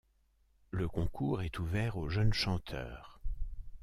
Le concours est ouvert aux jeunes chanteurs.